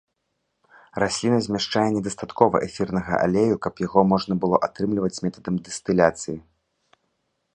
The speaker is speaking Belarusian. Расліна змяшчае недастаткова эфірнага алею, каб яго можна было атрымліваць метадам дыстыляцыі.